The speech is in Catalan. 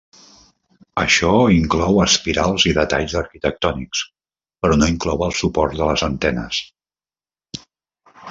Això inclou espirals i detalls arquitectònics, però no inclou els suports de les antenes.